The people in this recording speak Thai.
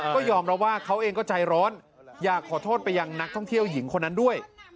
ก็ยอมรับว่าเขาเองก็ใจร้อนอยากขอโทษไปยังนักท่องเที่ยวหญิงคนนั้นด้วย